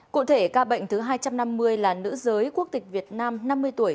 cụ thể ca bệnh thứ hai trăm năm mươi là nữ giới quốc tịch việt nam năm mươi tuổi